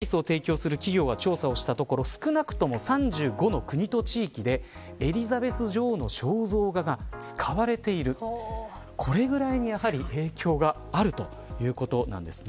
２０２１年にイギリスで決済サービスを提供する企業が調査したところ少なくとも３５の国と地域でエリザベス女王の肖像画が使われている、これぐらいに影響があるということなんです。